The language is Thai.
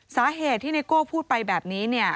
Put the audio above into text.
สาเหตุที่เนโกพูดไปแบบนี้เนี่ย